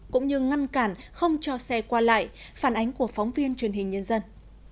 cũng như ngăn cản không cho xe qua lại phản ánh của phóng viên truyền hình nhân dân